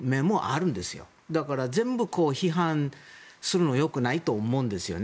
なので全部批判するのは良くないと思うんですよね。